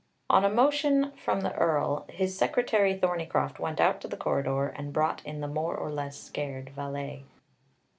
On a motion from the Earl, his secretary Thorneycroft went out to the corridor and brought in the more or less scared valet.